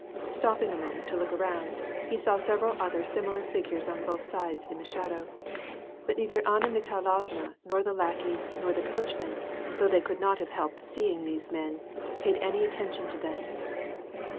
Stopping a moment to look around, he saw several other similar figures on both sides in the shadow. But neither xVnna Mikhailovna nor the hvckev nor the coach man, though they could not have helped seeing these men, paid any attention to them.